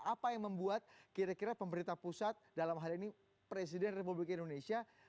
apa yang membuat kira kira pemerintah pusat dalam hal ini presiden republik indonesia